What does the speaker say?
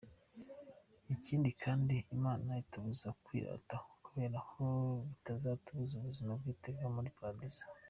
Ikindi kandi, imana itubuza kwirata kubera ko bizatubuza ubuzima bw’iteka muli Paradizo.